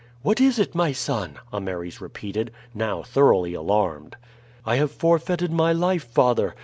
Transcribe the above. "What is it, my son?" Ameres repeated, now thoroughly alarmed. "I have forfeited my life, father!